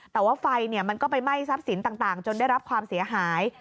แต่ว่าไฟมันก็ไปไหม้ทรัพย์สินต่างจนได้รับความเสียหาย